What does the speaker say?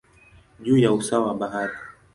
juu ya usawa wa bahari.